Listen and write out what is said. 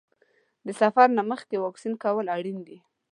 د سفر نه مخکې واکسین کول اړین دي.